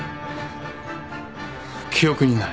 記憶にない。